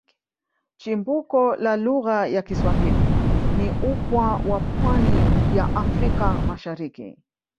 Chimbuko la lugha ya Kiswahili ni upwa wa pwani ya Afrika Mashariki